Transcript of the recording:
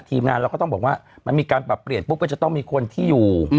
ทีมงานเราก็ต้องบอกว่ามันมีการปรับเปลี่ยนปุ๊บก็จะต้องมีคนที่อยู่